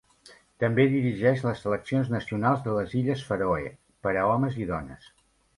També dirigeix les seleccions nacionals de les Illes Faroe per a homes i dones.